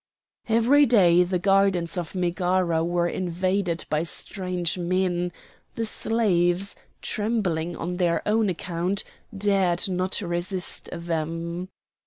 Every day the gardens of Megara were invaded by strange men; the slaves, trembling on their own account, dared not resist them.